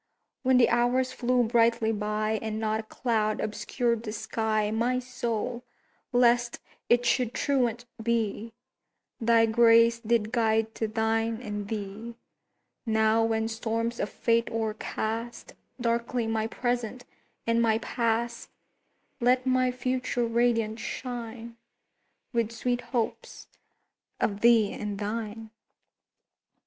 When the Hours flew brightly by And not a cloud obscured the sky, My soul, lest it should truant be, Thy grace did guide to thine and thee; Now, when storms of Fate o'ercast Darkly my Present and my Past, Let my Future radiant shine With sweet hopes of thee and thine!